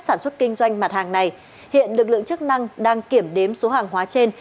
sản xuất kinh doanh mặt hàng này hiện lực lượng chức năng đang kiểm đếm số hàng hóa trên